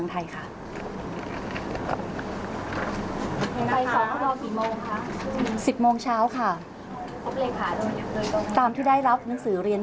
สิ่งที่ทำให้กับคุณสุรชัย